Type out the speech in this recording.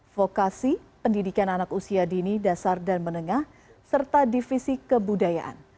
vokasi pendidikan anak usia dini dasar dan menengah serta divisi kebudayaan